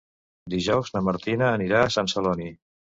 Dijous na Martina anirà a Sant Celoni.